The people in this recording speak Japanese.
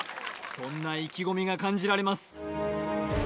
そんな意気込みが感じられます